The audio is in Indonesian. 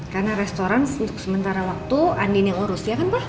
karena restoran untuk sementara waktu andin yang urus ya kan pak